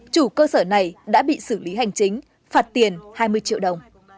chủ cơ sở này đã bị xử lý hành chính phạt tiền hai mươi triệu đồng